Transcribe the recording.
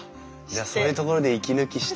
そういうところで息抜きして。